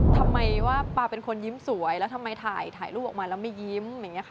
ทำไมว่าปลาเป็นคนยิ้มสวยแล้วทำไมถ่ายรูปออกมาแล้วไม่ยิ้มอย่างนี้ค่ะ